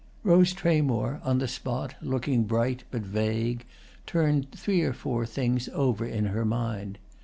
Rose Tramore, on the spot, looking bright but vague, turned three or four things over in her mind.